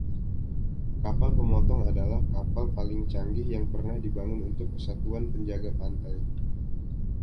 Kapal pemotong adalah kapal paling canggih yang pernah dibangun untuk Kesatuan Penjaga Pantai.